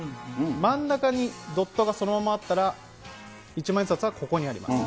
真ん中にドットがそのままあったら、一万円札はここにあります。